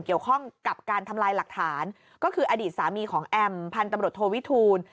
เกี่ยวข้องกับการทำลายหลักฐานก็คืออดีตสามีของแอมพันธุ์ตำรวจโทวิทูล